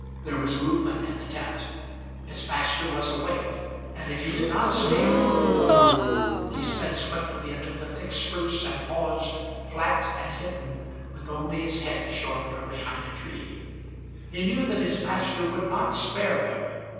There was movement in the tent. His master was awake, and if he did not escape He sped swiftly into the thick spruce, and paused, flat and hidden, with only his head showing from behind a tree. He knew that his master would not spare him.